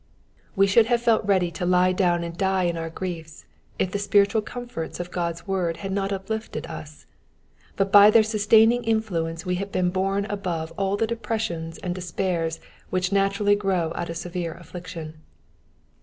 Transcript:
We should have felt ready to lie down and die of our griefs if the spiritual comforts of God's word had not uplifted us ; but by their sustaining influence we have been home above all the depressions and despairs which naturally grow out of severe affliction.